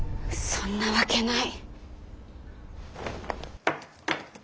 そんなわけない。